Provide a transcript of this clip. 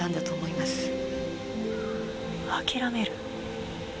諦める？